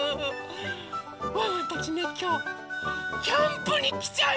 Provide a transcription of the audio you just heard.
ワンワンたちねきょうキャンプにきちゃいました！